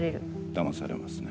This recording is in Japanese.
だまされますね。